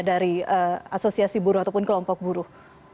dari asosiasi buruh ataupun kelompok buruh